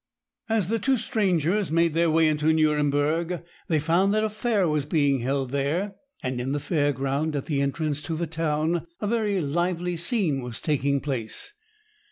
As the two strangers made their way into Nuremburg, they found that a fair was being held there, and in the fair ground at the entrance to the town a very lively scene was taking place.